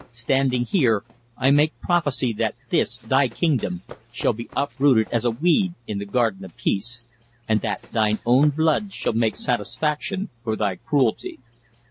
Standing here, I make prophecy that this thy kingdom shall be uprooted as a weed in the garden of peace, and that thine own blood shall make satisfaction for thy cruelty."